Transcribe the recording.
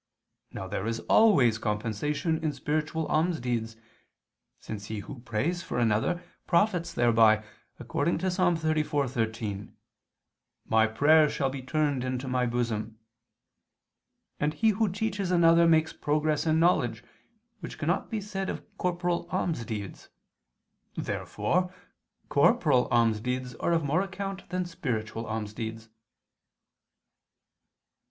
Now there is always compensation in spiritual almsdeeds, since he who prays for another, profits thereby, according to Ps. 34:13: "My prayer shall be turned into my bosom": and he who teaches another, makes progress in knowledge, which cannot be said of corporal almsdeeds. Therefore corporal almsdeeds are of more account than spiritual almsdeeds.